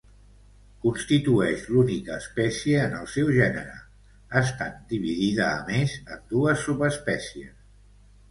Constitueix l'única espècie en el seu gènere, estant dividida a més en dues subespècies.